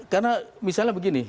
karena misalnya begini